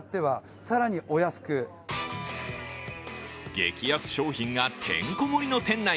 激安商品がてんこ盛りの店内。